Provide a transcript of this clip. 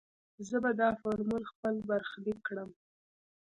زه به دا فورمول خپل برخليک کړم.